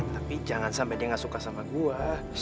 tapi jangan sampai dia gak suka sama buah